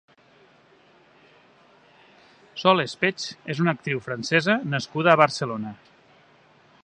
Sol Espeche és una actriu francesa nascuda a Barcelona.